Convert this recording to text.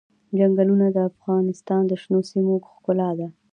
چنګلونه د افغانستان د شنو سیمو ښکلا ده.